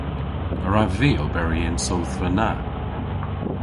A wrav vy oberi y'n sodhva na?